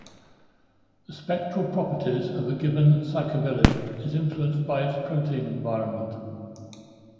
The spectral properties of a given phycobilin is influenced by its protein environment.